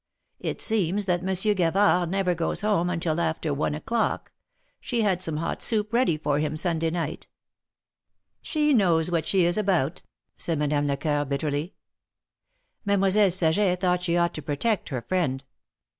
It seems that Monsieur Gavard never goes home until after one o'clock — she had some hot soup ready for him Sunday night.'' She knows what she is about !" said Madame Lecoeur, bitterly. Mademoiselle Saget thought she ought to protect her friend.